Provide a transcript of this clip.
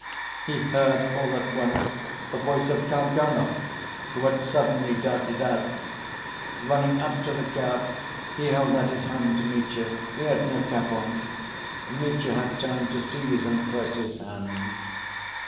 he heard all at once the voice of Kalganov, who had suddenly darted out. Running up to the cart he held out his hand to Mitya. He had no cap on. Mitya had time to seize and press his hand.